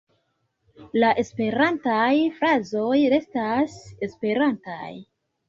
La esperantaj frazoj restas esperantaj.